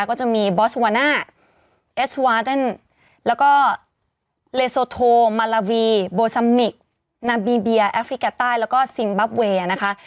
ก็จะมีบอสวาน่าเอสวาเดนแล้วก็เลโซโทมาลาวีโบซัมมิกนาบีเบียแอฟริกาใต้แล้วก็ซิงบับเวย์นะคะ